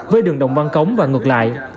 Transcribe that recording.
với đường đồng văn cống và ngược lại